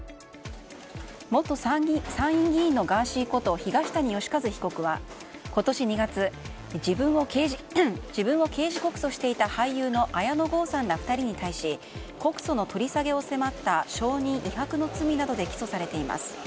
元参院議員のガーシーこと東谷義和被告は今年２月自分を刑事告訴していた俳優の綾野剛さんら２人に対し告訴の取り下げを迫った証人威迫の罪などで起訴されています。